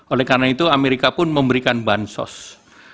oleh karena itu amerika pun memberikan bansos